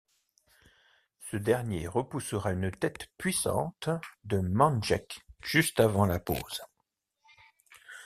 Ce dernier repoussera une tête puissante de Mandjeck juste avant la pause.